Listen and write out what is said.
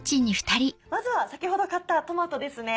まずは先ほど買ったトマトですね。